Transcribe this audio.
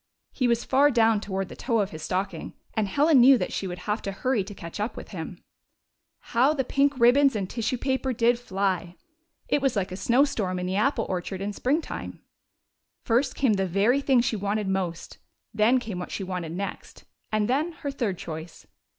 He was far down toward the toe of his stocking, and Helen knew that she would have to hurry to catch up with him. How the pink ribbons and tissue paper did 36 HOME OF HELEN AND CHRISTOPHER fly ! It was like a snowstorm in an apple or chard in springtime. First came tlie very thing she wanted most, then came what she wanted next, and then her third choice.